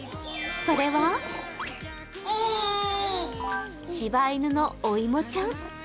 それは、しば犬のおいもちゃん。